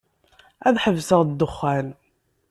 Ad ḥebseɣ ddexxan.